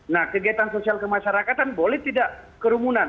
nah kegiatan sosial kemasyarakatan boleh tidak kerumunan